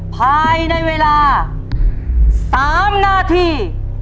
ภายในเวลา๓นาที